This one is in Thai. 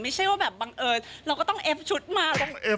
ไม่ใช่ว่าแบบบังเอิญเราก็ต้องเอฟชุดมา